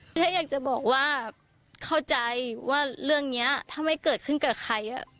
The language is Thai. ถ้าอยากจะบอกว่าเข้าใจว่าเรื่องนี้ถ้าไม่เกิดขึ้นกับใคร